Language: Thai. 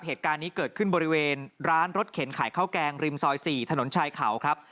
เหตุการณ์นี้เกิดขึ้นบริเวณร้านรถเข็นขายข้าวแกงริมซอย๔ถนนชายเขาครับ